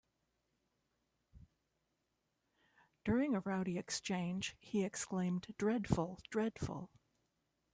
During a rowdy exchange, he exclaimed Dreadful, dreadful!